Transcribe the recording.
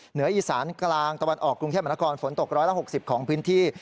เหนืออีสานกลางตะวันออกกรุงแค่มนากรฝนตกร้อยละ๖๐ของพื้นที่